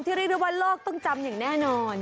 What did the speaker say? เรียกได้ว่าโลกต้องจำอย่างแน่นอน